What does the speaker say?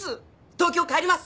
東京帰ります！